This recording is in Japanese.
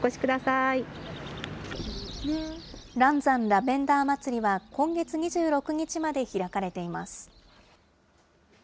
ラベンダーまつりは、今月２６日まで開かれています。